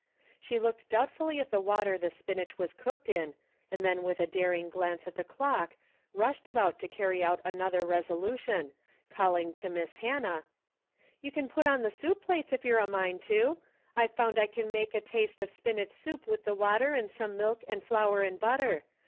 She looked doubt 146 DAILY RATE. fully at the water the spinach was cooked in and then with a daring glance at the clock rushed about to carry out another resolution, calling to Miss Hannah : "You ken put on the soup plates ef your a mine to. I've found I can make a taste of spinach soup with the water and some milk and flour and butter.